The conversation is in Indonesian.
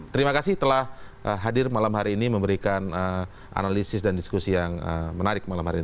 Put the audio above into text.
terima kasih telah hadir malam hari ini memberikan analisis dan diskusi yang menarik malam hari ini